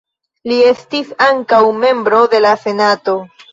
Li estis ankaŭ membro de la senato.